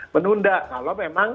menunda kalau memang